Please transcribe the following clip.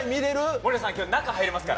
森田さん、今日中入れますから。